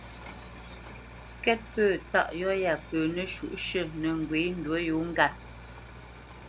Kɛ́t pə̂ tâʼ yɔ̂ yâ pə nəshǔʼshʉ̂ nə́ ŋgwênə ndǔ yǒ ŋgât.